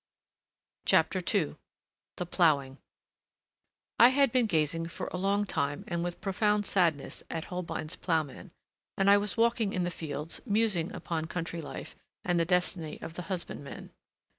II THE PLOUGHING I had been gazing for a long time and with profound sadness at Holbein's ploughman, and I was walking in the fields, musing upon country life and the destiny of the husbandman.